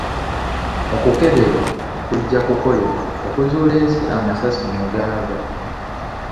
Okukeberebwa kujja kukolebwa okuzuula ensi amasasi mwe gava.